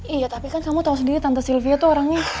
iya tapi kamu tau sendiri tante silvia itu orangnya